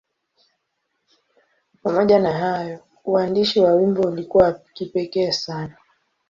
Pamoja na hayo, uandishi wa wimbo ulikuwa wa kipekee sana.